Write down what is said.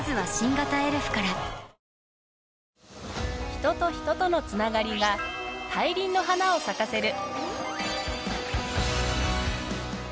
人と人との繋がりが大輪の花を咲かせる。